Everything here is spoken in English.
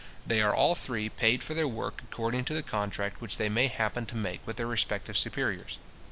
They are all three paid for their work according to the contract which they may happen to make with their respective superiors.